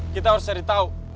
kita harus cari tau